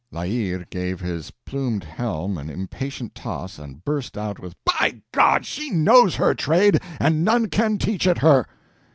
La Hire gave his plumed helm an impatient toss and burst out with: "By God, she knows her trade, and none can teach it her!"